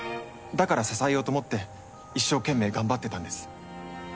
だから支えようと思って一生懸命頑張ってたんです。